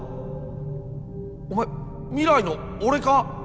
お前未来の俺か？